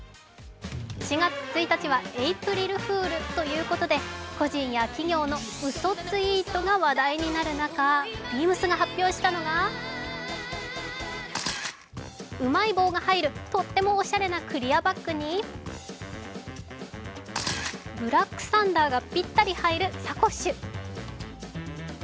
４月１日はエープリルフールということで、個人や企業のうそツイートが話題になる中、ＢＥＡＭＳが発表したのは、うまい棒が入るとってもおしゃれなクリアバッグにブラックサンダーがぴったり入るサコッシュ。